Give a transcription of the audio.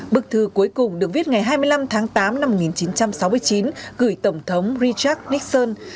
bức thư cuối cùng được viết ngày hai mươi năm tháng tám năm một nghìn chín trăm sáu mươi chín gửi tổng thống richard nixon